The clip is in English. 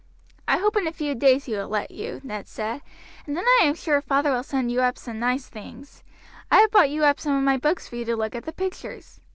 "I hope in a few days he will let you," Ned said, "and then I am sure father will send you up some nice things. I have brought you up some of my books for you to look at the pictures."